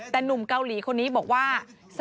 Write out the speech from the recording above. แต่หนุ่มเกาหลีคนนี้บอกว่า